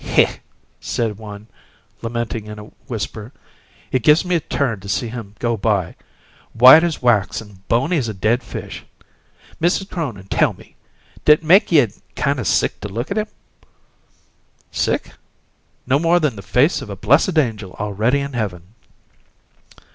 "Hech!" said one, lamenting in a whisper. "It give me a turn to see him go by white as wax an' bony as a dead fish! Mrs. Cronin, tell me: d'it make ye kind o' sick to look at um?" "Sick? No more than the face of a blessed angel already in heaven!"